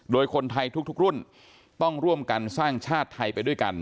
โดยคนไทยทุกรุ่นต้องร่วมกันสร้างชาติไทยไปด้วยกัน